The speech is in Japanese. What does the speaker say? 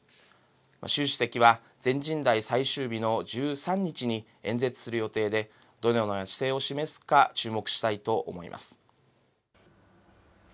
習主席は全人代最終日の１３日に演説する予定で、どのような姿勢を示すか注目したいと思います。